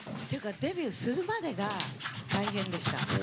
デビューするまでが大変でした。